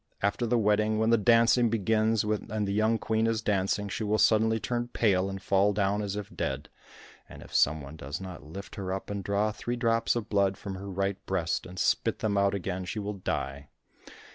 After the wedding, when the dancing begins and the young queen is dancing, she will suddenly turn pale and fall down as if dead, and if some one does not lift her up and draw three drops of blood from her right breast and spit them out again, she will die.